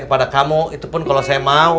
kepada kamu itu pun kalau saya mau